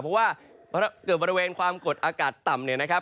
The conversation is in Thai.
เพราะว่าเกิดบริเวณความกดอากาศต่ำ